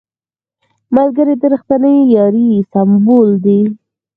ملګری د رښتینې یارۍ سمبول دی